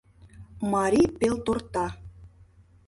Марий пелторта.